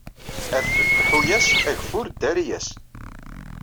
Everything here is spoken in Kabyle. Adfel lḥu-as, ageffur ddari-as